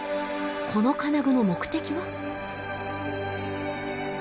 この金具の目的は？